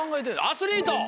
アスリート。